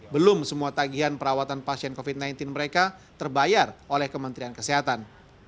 belum semua tagihan perawatan pasien covid sembilan belas mereka terbayar oleh kementerian kesehatan